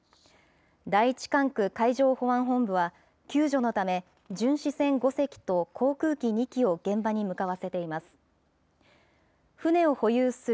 第１管区海上保安本部は、救助のため、巡視船５隻と、航空機２機を現場に向かわせています。